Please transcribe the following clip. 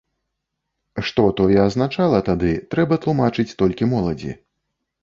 Што тое азначала тады, трэба тлумачыць толькі моладзі.